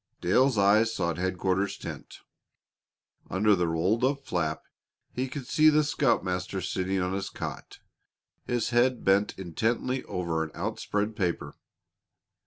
Dale's eyes sought headquarters tent. Under the rolled up flap he could see the scoutmaster sitting on his cot, his head bent intently over an outspread paper.